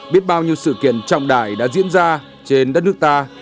biết bao nhiêu sự kiện trọng đại đã diễn ra trên đất nước ta